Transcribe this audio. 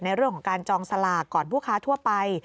ในเรื่องของการจองสลากก่อนผู้ค้าทั่วไป